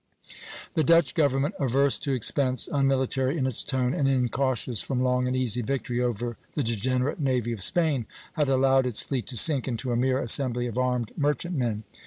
" The Dutch government, averse to expense, unmilitary in its tone, and incautious from long and easy victory over the degenerate navy of Spain, had allowed its fleet to sink into a mere assembly of armed merchantmen.